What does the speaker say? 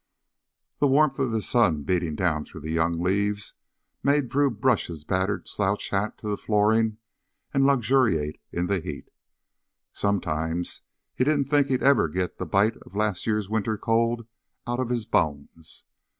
The warmth of the sun, beating down through yet young leaves, made Drew brush his battered slouch hat to the flooring and luxuriate in the heat. Sometimes he didn't think he'd ever get the bite of last winter's cold out of his bones.